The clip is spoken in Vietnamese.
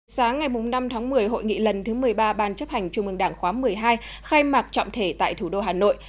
sáng ngày năm tháng một mươi hội nghị lần thứ một mươi ba ban chấp hành trung ương đảng khóa một mươi hai khai mạc trọng thể tại thủ đô hà nội